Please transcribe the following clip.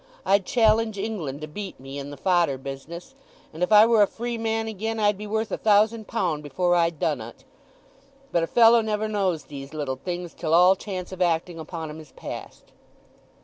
I'd challenge England to beat me in the fodder business; and if I were a free man again I'd be worth a thousand pound before I'd done o't. But a fellow never knows these little things till all chance of acting upon 'em is past."